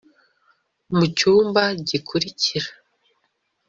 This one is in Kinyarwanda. mucyumba gikurikira